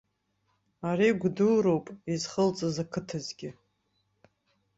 Ари гәадуроуп изхылҵыз ақыҭазгьы.